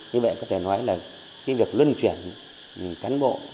như vậy có thể nói là cái việc luân chuyển cán bộ